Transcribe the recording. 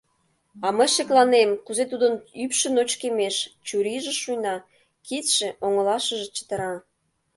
А мый шекланем, кузе тудын ӱпшӧ ночкемеш, чурийже шуйна, кидше, оҥылашыже чытыра.